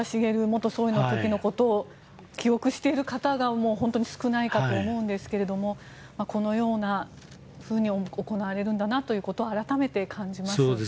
元総理の時のことを記憶している方が本当に少ないかと思うんですがこのように行われるんだなということを改めて感じます。